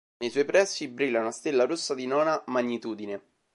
Nei suoi pressi brilla una stella rossa di nona magnitudine.